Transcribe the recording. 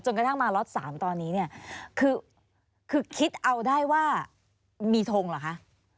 กระทั่งมาล็อต๓ตอนนี้เนี่ยคือคิดเอาได้ว่ามีทงเหรอคะ